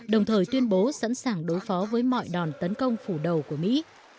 đồng thời tuyên bố sẵn sàng đối phó với mọi đòn tấn công phủ đầu của mỹ